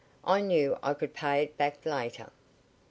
I knew I could pay it back later.